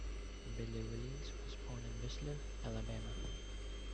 Billy Williams was born in Whistler, Alabama.